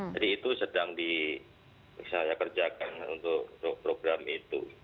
jadi itu sedang di saya kerjakan untuk program itu